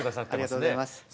ありがとうございます。